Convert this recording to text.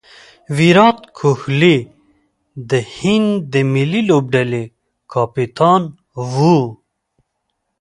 ویرات کهولي د هند د ملي لوبډلي کپتان وو.